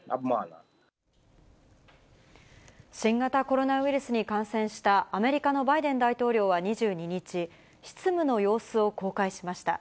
新型コロナウイルスに感染したアメリカのバイデン大統領は２２日、執務の様子を公開しました。